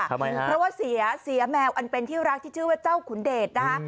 ทำไมฮะเพราะว่าเสียเสียแมวอันเป็นที่รักที่ชื่อว่าเจ้าขุนเดชนะคะ